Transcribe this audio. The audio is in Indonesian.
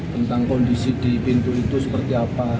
tentang kondisi di pintu itu seperti apa